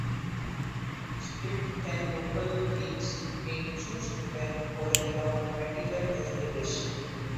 State and local leagues may choose to ban or allow material as they wish.